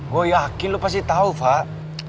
gue yakin lo pasti tahu pak